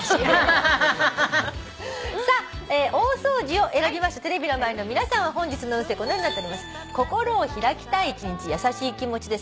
さあ「大掃除」を選びましたテレビの前の皆さんは本日の運勢このようになっております。